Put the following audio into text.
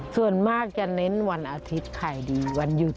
ส่วนมากจะเน้นวันอาทิตย์ขายดีวันหยุด